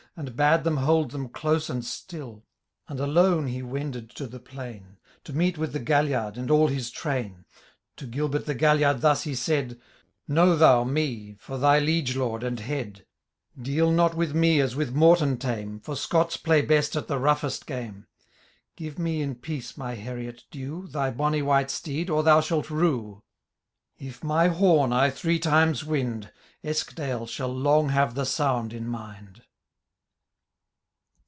And bade them hold them close and still ; And alone he wended to the plain. To meet with the Gralliard and all his train. To Gilbert the Gkdliard thus he said :—Know thou me for thy liege lord and head ; Deal not with me as, with Morton tame. For Scotts play best at the roughest game. Give me in peace my heriot due. Thy bonny white steed, or thou shalt rue. If my horn I three times wind, Eskdale shall long have the soimd in mind